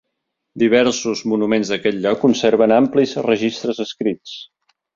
Diversos monuments d'aquest lloc conserven amplis registres escrits.